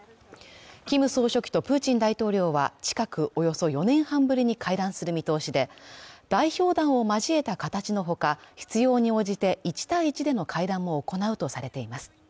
キム総書記とプーチン大統領は近くおよそ４年半ぶりに会談する見通しで代表団を交えた形のほか必要に応じて一対一での会談も行うとされています